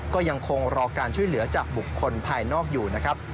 ก็ยังคงรอการช่วยเหลือจากบุคคลภายนอกอยู่นะครับ